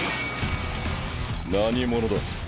何者だ？